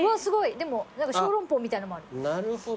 でも何か小籠包みたいのもある。